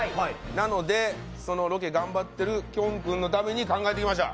なので、そのロケ頑張ってるきょん君のために作ってきました。